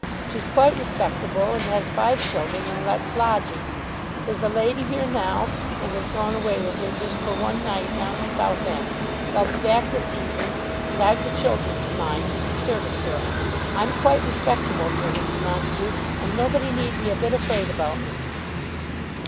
She's quite respectable, and has five children, and lets lodgings. There's a lady here now, and has gone away with her just for one night down to Southend. They'll be back this evening, and I've the children to mind, with the servant girl. I'm quite respectable here, Mr. Montague, and nobody need be a bit afraid about me."